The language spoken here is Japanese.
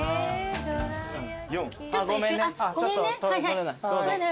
ごめんね。